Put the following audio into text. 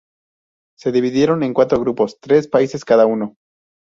Se dividieron en cuatro grupos de tres países cada uno.